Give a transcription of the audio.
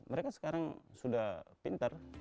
mereka sekarang sudah pinter